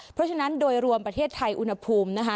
เพราะฉะนั้นโดยรวมประเทศไทยอุณหภูมินะคะ